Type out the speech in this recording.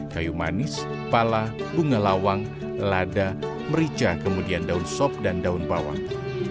kayu manis pala bunga lawang lada merica kemudian daun sop dan daun bawang